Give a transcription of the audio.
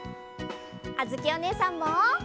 あづきおねえさんも。